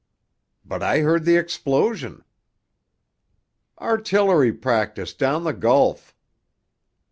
"But I heard the explosion." "Artillery practice down the Gulf."